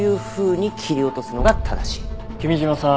君嶋さん